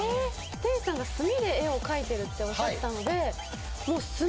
店主さんが墨で絵を描いてるっておっしゃったのでもう墨？